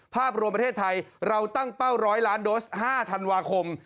ภาพรวมประเทศไทยเราตั้งเป้า๑๐๐ล้านโดส๕ธันวาคม